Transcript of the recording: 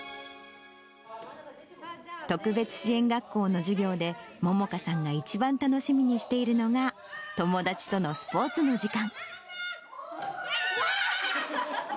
特別支援学校の授業で、萌々華さんが一番楽しみにしているのが、友達とのスポーツの時間。